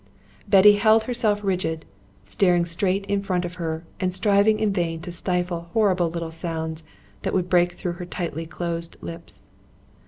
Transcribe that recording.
Betty held herself rigid, staring straight in front of her, and striving in vain to stifle horrible little sounds that would break through her tightly closed lips.